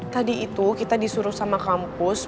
tadi itu kita disuruh sama kampus